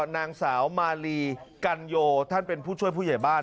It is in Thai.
นางสาวมาลีกัญโยท่านเป็นผู้ช่วยผู้ใหญ่บ้าน